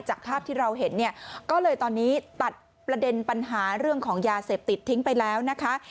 ภาพที่เราเห็นเนี่ยก็เลยตอนนี้ตัดประเด็นปัญหาเรื่องของยาเสพติดทิ้งไปแล้วนะคะ